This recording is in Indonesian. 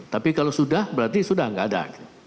tapi kalau sudah berarti sudah tidak ada